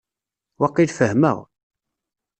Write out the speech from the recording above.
Waqil fehmeɣ.